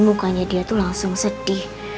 mukanya dia itu langsung sedih